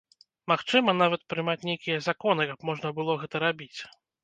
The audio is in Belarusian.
Магчыма, нават прымаць нейкія законы, каб можна было гэта рабіць.